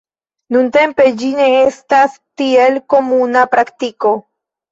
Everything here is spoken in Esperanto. Nuntempe ĝi ne estas tiel komuna praktiko.